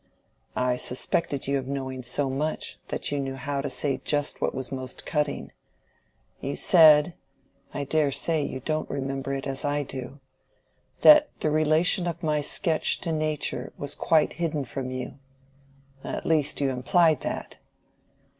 "I suspected you of knowing so much, that you knew how to say just what was most cutting. You said—I dare say you don't remember it as I do—that the relation of my sketch to nature was quite hidden from you. At least, you implied that."